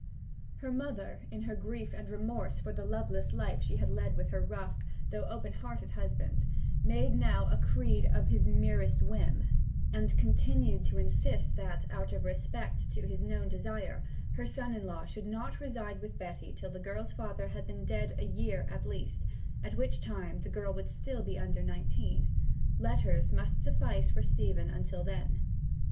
Her mother, in her grief and remorse for the loveless life she had led with her rough, though open hearted, husband, made now a creed of his merest whim; and continued to insist that, out of respect to his known desire, her son in law should not reside with Betty till the girl's father had been dead a year at least, at which time the girl would still be under nineteen. Letters must suffice for Stephen till then.